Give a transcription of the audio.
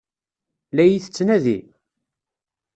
La iyi-tettnadi?